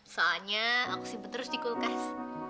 soalnya aku simpet terus di kulkas